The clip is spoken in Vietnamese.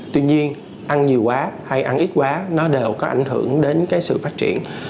tuy nhiên ăn nhiều quá hay ăn ít quá nó đều có ảnh hưởng đến cái sự phát triển